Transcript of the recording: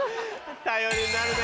頼りになるね。